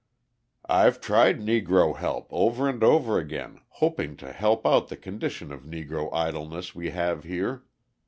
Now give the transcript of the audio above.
"I've tried Negro help over and over again, hoping to help out the condition of Negro idleness we have here.